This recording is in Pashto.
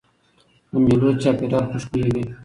د مېلو چاپېریال خوشبويه وي.